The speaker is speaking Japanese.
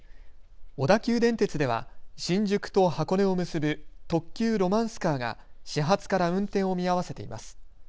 小田急電鉄では新宿と箱根を結ぶ特急ロマンスカーが始発から運転を見合わせています。